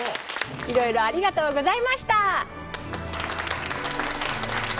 いろいろありがとうございました！